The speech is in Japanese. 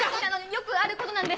よくあることなんで。